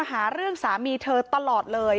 หาเรื่องสามีเธอตลอดเลย